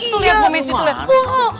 tuh lihat bu messi tuh lihat